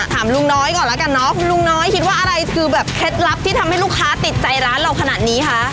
ถามลุงน้อยก่อนแล้วกันเนาะคุณลุงน้อยคิดว่าอะไรคือแบบเคล็ดลับที่ทำให้ลูกค้าติดใจร้านเราขนาดนี้คะ